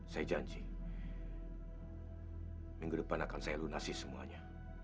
saya janji minggu depan akan saya lunasi semuanya